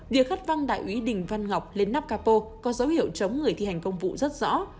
việc hất văng đại úy đình văn ngọc lên nắp capo có dấu hiệu chống người thi hành công vụ rất rõ